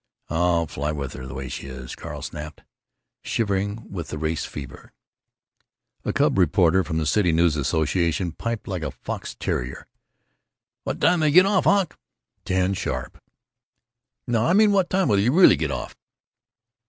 "I'll fly with her the way she is," Carl snapped, shivering with the race fever. A cub reporter from the City News Association piped, like a fox terrier, "What time 'll you get off, Hawk?" "Ten sharp." "No, I mean what time will you really get off!"